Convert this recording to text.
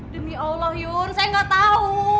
demi allah yuyun saya gak tau